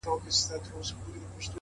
چي د خندا خبري پټي ساتي،